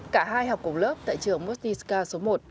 cả hai học cùng lớp tại trường mosty ska số một